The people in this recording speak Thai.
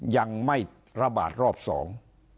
ยังไม่ระบาดรอบสอง